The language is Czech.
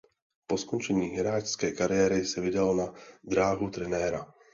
Po skončení hráčské kariéry se vydal na dráhu trenéra.